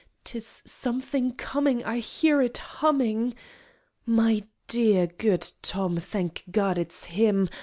_ 'Tis something comin' I hear it hummin'.... My dear good Tom! Thank God it's him!